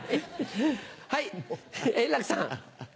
はい円楽さん。